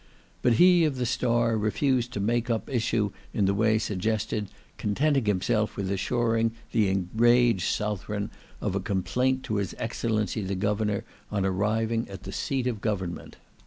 But he of the star refused to make up issue in the way suggested, contenting himself with assuring the enraged southron of a complaint to his excellency the Governor, on arriving at the seat of government.